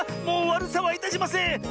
もうわるさはいたしません！